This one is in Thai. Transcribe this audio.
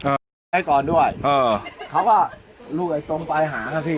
อ่าให้ก่อนด้วยอ่าเขาก็ลูกไอ้ตรงปลายหานะพี่